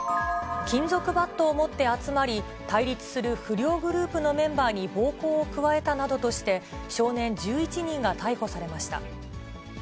金属バットを持って集まり、対立する不良グループのメンバーに暴行を加えたなどとして、少年１１人が逮捕されました。